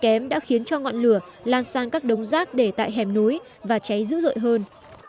kém đã khiến cho ngọn lửa lan sang các đống rác để tại hẻm núi và cháy dữ dội hơn